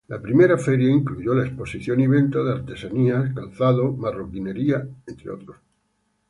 La primera feria incluyó la exposición y venta de artesanías, calzado, marroquinería, entre otros.